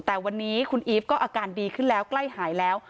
แต่วันนี้คุณอีฟก็อาการดีขึ้นแล้วใกล้หายแล้ว